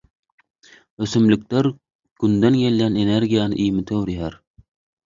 Ösümlikler günden gelýän energiýany iýmite öwürýär.